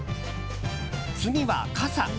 次は、傘。